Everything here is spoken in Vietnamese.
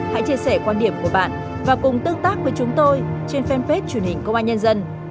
hãy chia sẻ quan điểm của bạn và cùng tương tác với chúng tôi trên fanpage truyền hình công an nhân dân